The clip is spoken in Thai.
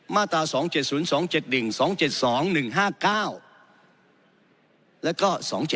มาตรา๒๗๐๒๗๑๒๗๒๑๕๙แล้วก็๒๗